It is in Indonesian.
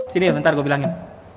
sini bentar gue bilangin